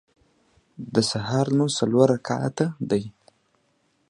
د سهار لمونځ څلور رکعته دی.